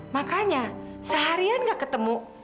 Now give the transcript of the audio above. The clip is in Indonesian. makanya seharian gak ketemu